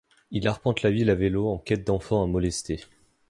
Il arpente la ville à vélo en quête d'enfants à molester.